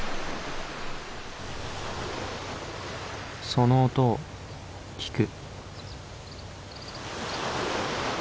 その音を聴く。